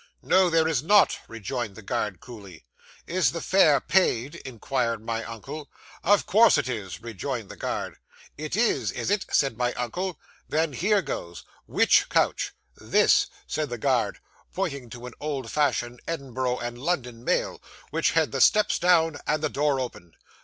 '"No, there is not," rejoined the guard coolly. '"Is the fare paid?" inquired my uncle. '"Of course it is," rejoined the guard. '"It is, is it?" said my uncle. "Then here goes! Which coach?" '"This," said the guard, pointing to an old fashioned Edinburgh and London mail, which had the steps down and the door open.